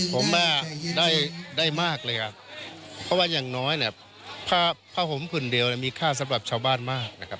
ผมว่าได้มากเลยครับเพราะว่าอย่างน้อยเนี่ยผ้าห่มผื่นเดียวมีค่าสำหรับชาวบ้านมากนะครับ